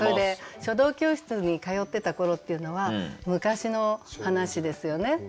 書道教室に通ってた頃っていうのは昔の話ですよね。